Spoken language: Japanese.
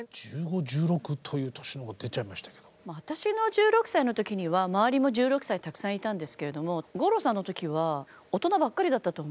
私の１６歳の時には周りも１６歳たくさんいたんですけれども五郎さんの時は大人ばっかりだったと思うんですよ。